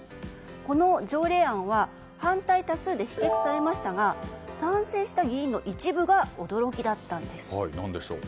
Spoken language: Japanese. この条例案は反対多数で否決されましたが賛成した議員の一部が驚きだったんです。